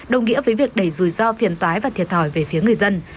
đồng nghĩa với việc đẩy rủi ro phiền toái và thiệt thòi về phía người dân